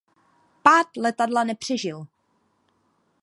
Pád letadla nepřežil.